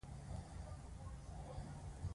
ډېره خواري په کې نه وه.